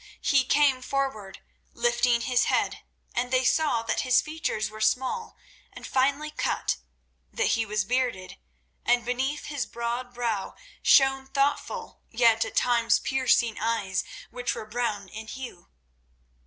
He came forward, lifting his head, and they saw that his features were small and finely cut; that he was bearded, and beneath his broad brow shone thoughtful yet at times piercing eyes which were brown in hue.